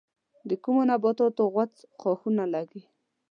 د کومو نباتاتو غوڅ ښاخونه لگي؟